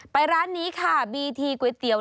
ร้านนี้ค่ะบีทีก๋วยเตี๋ยว